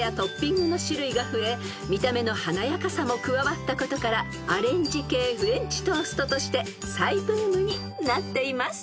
［見た目の華やかさも加わったことからアレンジ系フレンチトーストとして再ブームになっています］